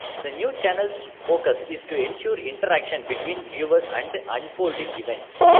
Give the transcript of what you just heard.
The new channel's focus is to ensure interaction between viewers and unfolding events.